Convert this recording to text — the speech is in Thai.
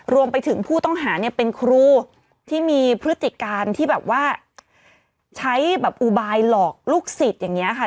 รวมไปถึงผู้ต้องหาเนี่ยเป็นครูที่มีพฤติการที่แบบว่าใช้แบบอุบายหลอกลูกศิษย์อย่างนี้ค่ะ